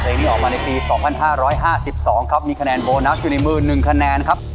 นี้ออกมาในปี๒๕๕๒ครับมีคะแนนโบนัสอยู่ในมือ๑คะแนนครับ